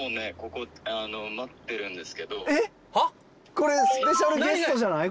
これスペシャルゲストじゃない？